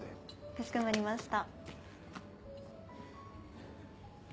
かしこまりました。